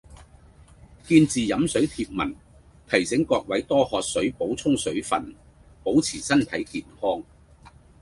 「見字飲水」貼文，提醒各位多喝水補充水份，保持身體健